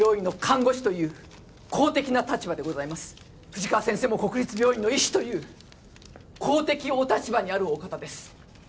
富士川先生も国立病院の医師という公的お立場にあるお方です。